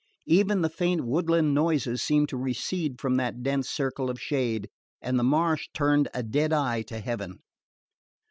Even the faint woodland noises seemed to recede from that dense circle of shade, and the marsh turned a dead eye to heaven.